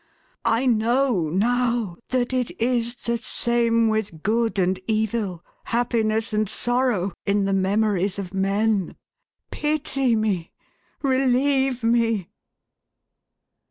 I know, now, that it is the same with good and evil, happiness and sorrow, in the memories of men. Pity me ! Relieve me